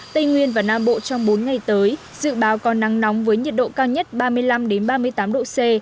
tây nguyên và nam bộ trong bốn ngày tới dự báo có nắng nóng với nhiệt độ cao nhất ba mươi năm ba mươi tám độ c